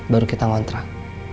baru kita ngontrak